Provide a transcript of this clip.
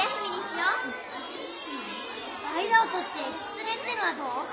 間をとって「きつね」ってのはどう？